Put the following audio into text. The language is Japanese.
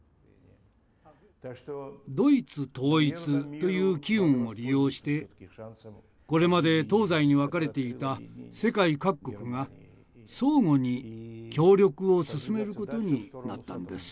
ドイツ統一という機運を利用してこれまで東西に分かれていた世界各国が相互に協力を進めることになったのです。